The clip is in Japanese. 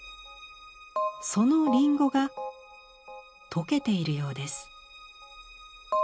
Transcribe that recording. そのりんごが溶けているようです。